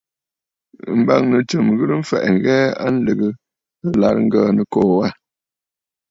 M̀bâŋnə̌ tsɨm ghɨrə mfɛ̀ʼɛ̀ ŋ̀hɛɛ a lɨ̀gə ɨlàrə Ŋgə̀ə̀ Nɨkòò wâ.